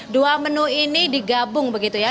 dua menu ini digabung begitu ya